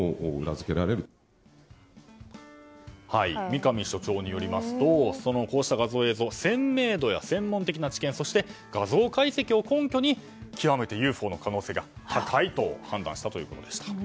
三上所長によりますとこうした画像、映像は鮮明度や専門的な知見そして、画像解析を根拠に極めてＵＦＯの可能性が高いと判断したということでした。